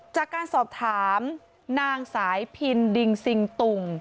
จากการสอบถามนางสายพินดิงซิงตุง